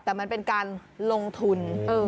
แต่มันเป็นการลงทุน